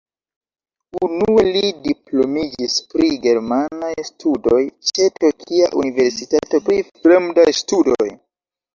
Unue li diplomiĝis pri germanaj studoj ĉe Tokia Universitato pri Fremdaj Studoj.